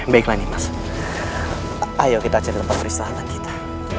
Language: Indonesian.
baiklah nih mas ayo kita cari tempat peristalan kita